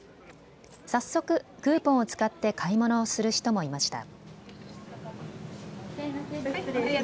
早速、クーポンを使って買い物をする人もいました。